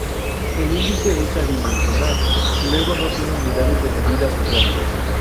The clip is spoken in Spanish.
El índice es adimensional, luego no tiene unidades de medida asociadas.